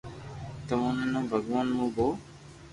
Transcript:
تموني نو ڀگوان مون ڀوھ